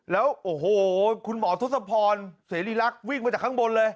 แล้วโอ้โหคุณหมอทศพรเสรีรักษ์วิ่งมาจากข้างบนเลย